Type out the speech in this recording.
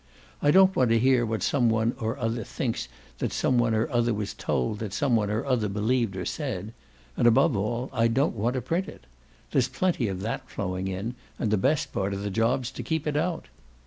I don't want to hear what some one or other thinks that some one or other was told that some one or other believed or said; and above all I don't want to print it. There's plenty of that flowing in, and the best part of the job's to keep it out.